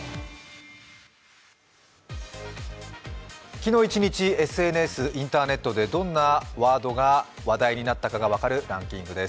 昨日一日、ＳＮＳ、インターネットでどんなワードが話題になったかが分かるランキングです。